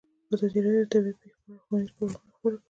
ازادي راډیو د طبیعي پېښې په اړه ښوونیز پروګرامونه خپاره کړي.